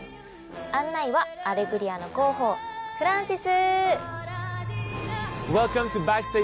案内は『アレグリア』の広報フランシス！